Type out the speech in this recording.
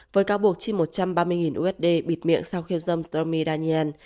với cáo buộc chi một trăm ba mươi usd bịt miệng sau khiêu dâm sdomi daniel